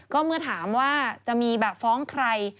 ก็เมื่อถามว่าจะมีแบบฟ้องใคร